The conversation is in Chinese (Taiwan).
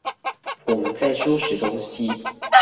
我們在收拾東西